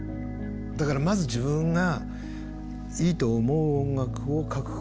だからまず自分がいいと思う音楽を書くこと。